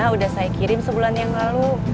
ya udah saya kirim sebulan yang lalu